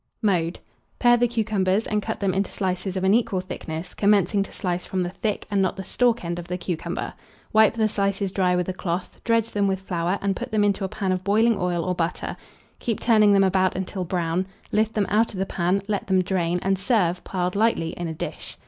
Mode. Pare the cucumbers and cut them into slices of an equal thickness, commencing to slice from the thick, and not the stalk end of the cucumber. Wipe the slices dry with a cloth, dredge them with flour, and put them into a pan of boiling oil or butter; Keep turning them about until brown; lift them out of the pan, let them drain, and serve, piled lightly in a dish.